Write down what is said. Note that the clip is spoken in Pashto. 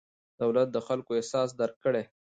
دولت د خلکو احساس درک کړي.